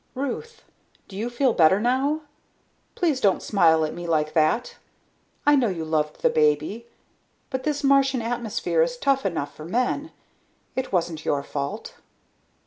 "Ruth! Do you feel better now? Please don't smile at me like that. I know you loved the baby, but this Martian atmosphere is tough even for men. It wasn't your fault."